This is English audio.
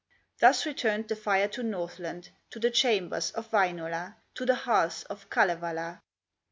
Thus returned the fire to Northland, To the chambers of Wainola, To the hearths of Kalevala.